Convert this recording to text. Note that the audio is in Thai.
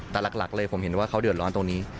แต่หลักเลยผมเห็นว่าเขาเดือดร้อนตรงนี้